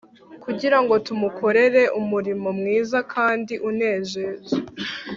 kugira ngo tumukorere umurimo mwiza kandi unejeje